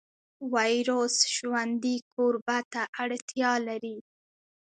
ویروس ژوندي کوربه ته اړتیا لري